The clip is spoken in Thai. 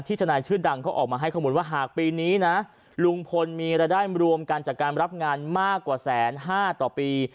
ทนายชื่อดังเขาออกมาให้ข้อมูลว่าหากปีนี้นะลุงพลมีรายได้รวมกันจากการรับงานมากกว่า๑๕๐๐ต่อปี